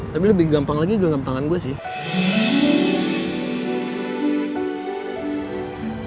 tapi lebih gampang lagi genggam tangan gue sih